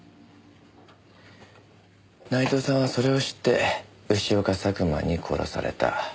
内藤さんはそれを知って潮か佐久間に殺された。